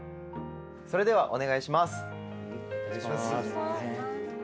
それではお願いします。